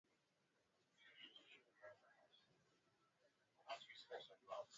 mpango huo unachangia katika mapato ya benki kuu